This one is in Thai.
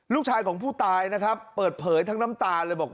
ลูกชายของผู้ตายนะครับเปิดเผยทั้งน้ำตาเลยบอก